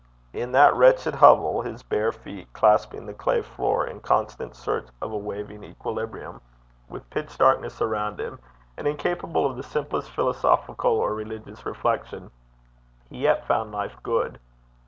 In that wretched hovel, his bare feet clasping the clay floor in constant search of a wavering equilibrium, with pitch darkness around him, and incapable of the simplest philosophical or religious reflection, he yet found life good.